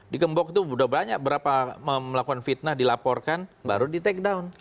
di gembok itu sudah banyak berapa melakukan fitnah dilaporkan baru di take down